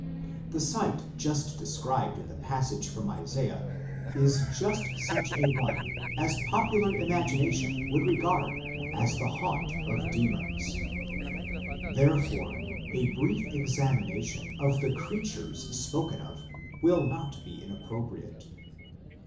The site just described in the passage from Isaiah is just such a one as popular imagination would regard as the haunt of demons. Therefore a brief examination of the creatures spoken of will not be inappropriate.